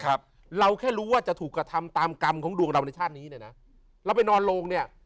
ครับเราแค่รู้ว่าจะถูกกระทำตามกรรมของดวงเราในชาตินี้เนี่ยนะเราไปนอนโรงเนี้ย